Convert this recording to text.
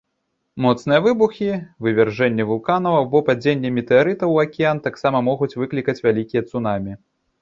Моцныя выбухі, вывяржэнні вулканаў або падзенне метэарытаў у акіян таксама могуць выклікаць вялікія цунамі.